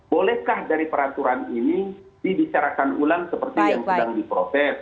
bolehkah dari peraturan ini dibicarakan ulang seperti yang sedang diproses